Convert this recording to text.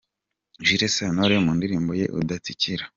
Jules Sentore mu ndirimbo ye “Udatsikira”.